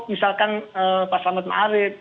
misalkan pak selamat marid